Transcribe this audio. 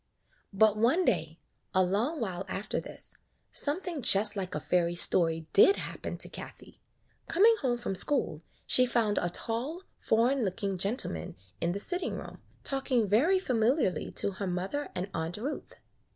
But one day, a long while after this, some thing just like a fairy story did happen to Kathie. Coming home from school, she found a tall, foreign looking gentleman in the sitting room, talking very familiarly to her mother and Aunt Ruth.